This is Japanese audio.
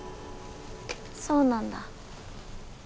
そうなんだ。